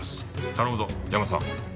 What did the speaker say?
頼むぞヤマさん。